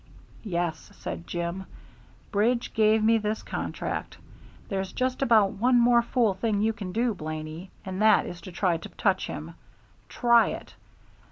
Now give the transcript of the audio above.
"Yes," said Jim; "Bridge gave me this contract. There's just about one more fool thing you can do, Blaney, and that is try to touch him. Try it!